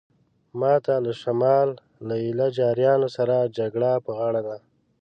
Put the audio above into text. ماته له شمال له ایله جاریانو سره جګړه په غاړه ده.